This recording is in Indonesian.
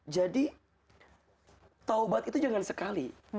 jadi taubat itu jangan sekali